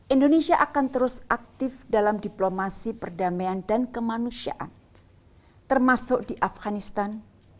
indonesia akan terus aktif dalam diplomasi perdamaian dan kemanusiaan termasuk di afganistan